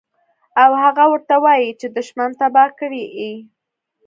او هغه ورته وائي چې دشمن تباه کړے ئې